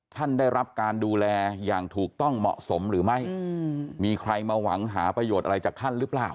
ท่านได้รับการดูแลอย่างถูกต้องเหมาะสมหรือไม่มีใครมาหวังหาประโยชน์อะไรจากท่านหรือเปล่า